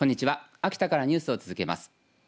秋田からニュースを続けます。